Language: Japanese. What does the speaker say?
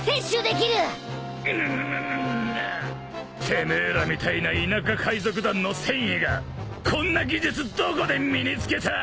てめえらみたいな田舎海賊団の船医がこんな技術どこで身に付けた！？